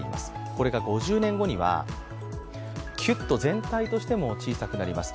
これが５０年後にはキュッと全体としても小さくなります。